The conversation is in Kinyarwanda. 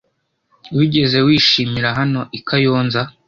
Wigeze wishimira hano i Kayonza?